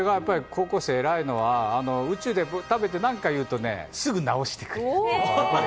高校生が偉いのは、宇宙で僕が食べて何か言うとすぐ直してくれる。